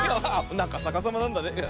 さかさまなんだね。